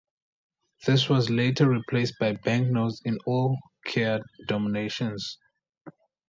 This was later replaced by banknotes in all kyat denominations.